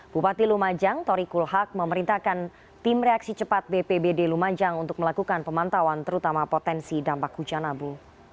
bupati lumajang tori kulhak memerintahkan tim reaksi cepat bpbd lumajang untuk melakukan pemantauan terutama potensi dampak hujan abu